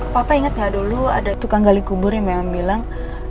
papa ingat nggak dulu ada tukang gali kubur yang memang bilang